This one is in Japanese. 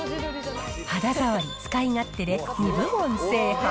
肌触り、使い勝手で２部門制覇。